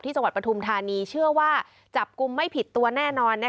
จังหวัดปฐุมธานีเชื่อว่าจับกลุ่มไม่ผิดตัวแน่นอน